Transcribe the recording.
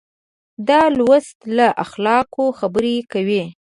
دا لوست له اخلاقو خبرې کوي.